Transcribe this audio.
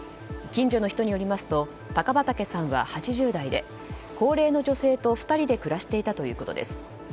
近所の人によりますと高畠さんは８０代で高齢の女性と２人で暮らしていたということです。